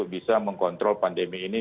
bisa mengkontrol pandemi ini